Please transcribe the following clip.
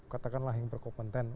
katakanlah yang berkompeten